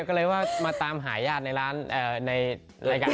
ก็เลยตามหาญาติในราการทำแบบนี้